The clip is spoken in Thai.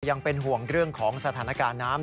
ยังเป็นห่วงเรื่องของสถานการณ์น้ำ